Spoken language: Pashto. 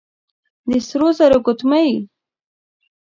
د سرو زرو ګوتمۍ،